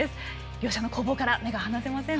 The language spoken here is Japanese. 両者の攻防から目が離せません。